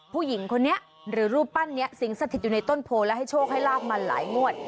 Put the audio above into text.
ผู้หญิงคนนี้หรือรูปปั้นนี้สิงสถิตอยู่ในต้นโพและให้โชคให้ลาบมาหลายงวด